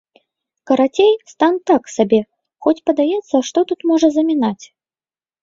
Карацей, стан так сабе, хоць падаецца, што тут можа замінаць?